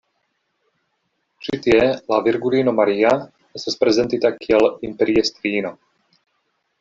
Ĉi tie la Virgulino Maria estas prezentita kiel imperiestrino.